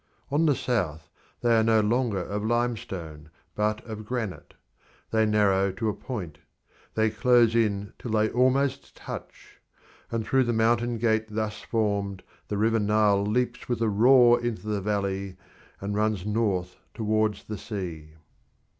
On the south they are no longer of limestone, but of granite; they narrow to a point; they close in till they almost touch; and through the mountain gate thus formed the river Nile leaps with a roar into the valley, and runs north towards the sea.